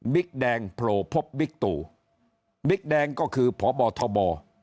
แดงโผล่พบบิ๊กตูบิ๊กแดงก็คือพบทบ